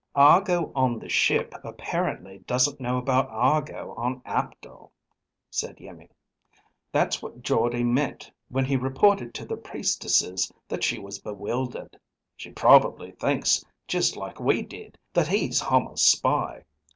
"Argo on the ship apparently doesn't know about Argo on Aptor," said Iimmi. "That's what Jordde meant when he reported to the priestesses that she was bewildered. She probably thinks just like we did, that he's Hama's spy.